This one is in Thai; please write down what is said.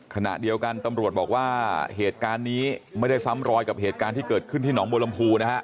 ขณะเดียวกันตำรวจบอกว่าเหตุการณ์นี้ไม่ได้ซ้ำรอยกับเหตุการณ์ที่เกิดขึ้นที่หนองบัวลำพูนะฮะ